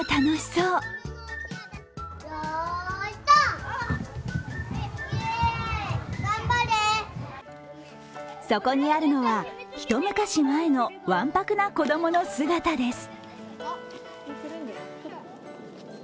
そこにあるのは、一昔前のわんぱくな子供の姿です。